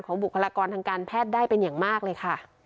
บุคลากรทางการแพทย์ได้เป็นอย่างมากเลยค่ะ